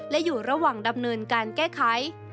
และอยู่ระหว่างดำเนินการแก้ไข